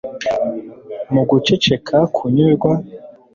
mu guceceka kunyurwa